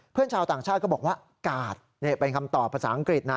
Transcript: ชาวต่างชาติก็บอกว่ากาดนี่เป็นคำตอบภาษาอังกฤษนะ